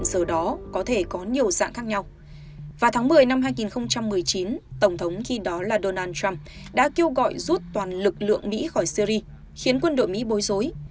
vào tháng một mươi năm hai nghìn một mươi chín tổng thống khi đó là donald trump đã kêu gọi rút toàn lực lượng mỹ khỏi syri khiến quân đội mỹ bối rối